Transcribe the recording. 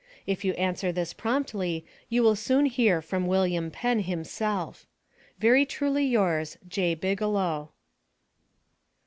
If you answer this promptly, you will soon hear from Wm. Penn himself. Very truly yours, J. BIGELOW.